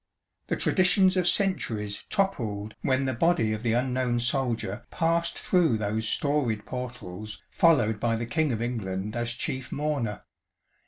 The traditions of centuries toppled when the body of the unknown soldier passed through those storied portals followed by the King of England as chief mourner.